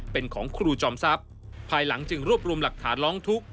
เป็นของครูจอมทรัพย์ภายหลังจึงรวบรวมหลักฐานร้องทุกข์